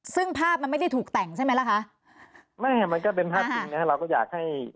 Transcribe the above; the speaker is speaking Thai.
ซึ่งภาพมันไม่ได้ถูกแต่งใช่ไหมล่ะคะไม่มันก็เป็นภาพจริงนะเราก็อยากให้